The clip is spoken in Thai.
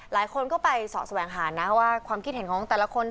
หลายคนก็ไปเสาะแสวงหานะว่าความคิดเห็นของแต่ละคน